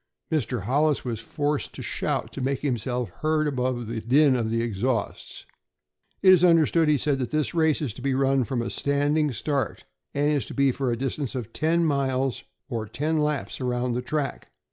Mr. Hollis was forced to shout to make himself heard above the din of the exhausts. "It is understood," he said, "that this race is to be run from a standing start, and is to be for a distance of ten miles, or ten laps around the track.